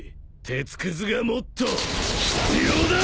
鉄くずがもっと必要だ！